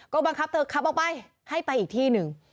ก็บังคับเธอขับออกไปให้ไปอีกที่หนึ่ง